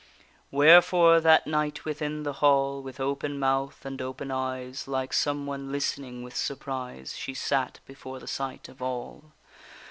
Wherefore that night within the hall, With open mouth and open eyes, Like some one listening with surprise, She sat before the sight of all.